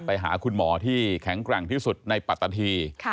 ไปหาคุณหมอที่แข็งแกร่งที่สุดในปัตตาธี